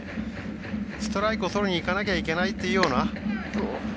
ストライクをとりにいかなきゃいけないというような。